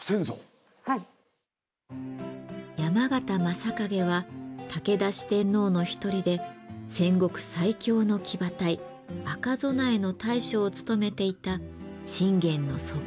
山県昌景は武田四天王の一人で戦国最強の騎馬隊「赤備え」の大将を務めていた信玄の側近中の側近。